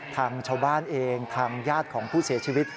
ทางชาวบ้านเองทางญาติของผู้เสียชีวิต